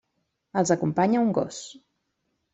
Els acompanya un gos.